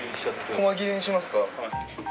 こま切れにしますか？